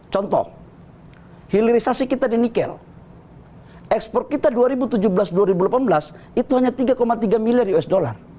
contoh hilirisasi kita di nikel ekspor kita dua ribu tujuh belas dua ribu delapan belas itu hanya tiga tiga miliar usd